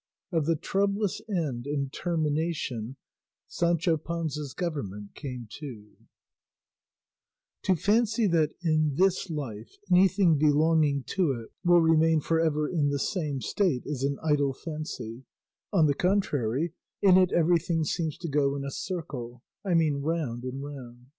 OF THE TROUBLOUS END AND TERMINATION SANCHO PANZA'S GOVERNMENT CAME TO To fancy that in this life anything belonging to it will remain for ever in the same state is an idle fancy; on the contrary, in it everything seems to go in a circle, I mean round and round.